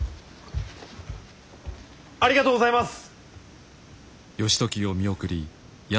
ありがとうございます！